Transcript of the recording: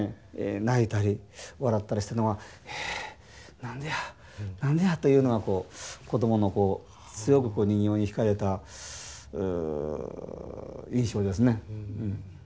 泣いたり笑ったりしてるのが「え何でや何でや」というのがこう子供のこう強く人形に引かれた印象ですね。